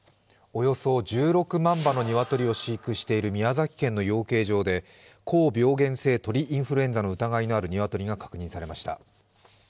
およそ１６万羽のニワトリを飼育している宮崎県の養鶏場で高病原性鳥インフルエンザの疑いのある鶏が確認されました。